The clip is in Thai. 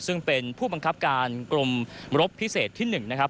ซึ่งเป็นผู้บังคับการกรมรบพิเศษที่๑นะครับ